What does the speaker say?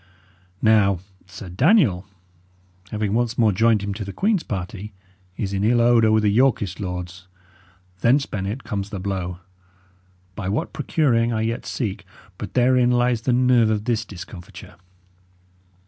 Now, Sir Daniel, having once more joined him to the Queen's party, is in ill odour with the Yorkist lords. Thence, Bennet, comes the blow by what procuring, I yet seek; but therein lies the nerve of this discomfiture."